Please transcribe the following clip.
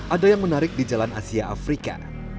ada yang menarik di jalan asia afrika